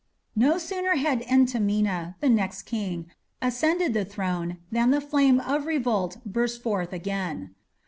No sooner had Entemena, the next king, ascended the throne than the flame of revolt burst forth again.